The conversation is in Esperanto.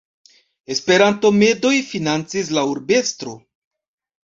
Esperanto-medoj financis la Urbestro.